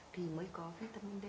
thì mới có vitamin d